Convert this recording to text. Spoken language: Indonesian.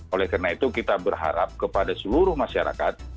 oleh karena itu kita berharap kepada seluruh masyarakat